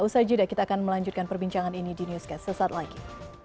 usaha jeda kita akan melanjutkan perbincangan ini di newscast sesaat lagi